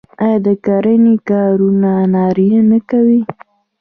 آیا د کرنې کارونه نارینه نه کوي؟